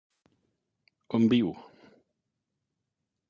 On viu?